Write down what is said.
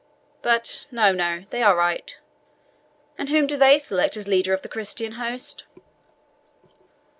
But no, no, they are right. And whom do they select as leader of the Christian host?"